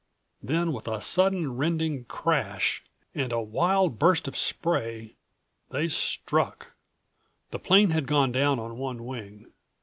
Then, with a sudden rending crash and a wild burst of spray, they struck. The plane had gone down on one wing.